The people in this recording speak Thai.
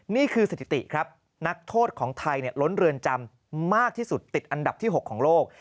นี่คือสถิติครับนักโทษของไทยล้นเรือนจำมากที่สุดติดอันดับที่๖ของโลก